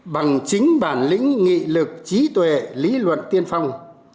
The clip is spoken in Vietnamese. bằng chính bản lĩnh nghị lực trí tuệ lý luận tiên phong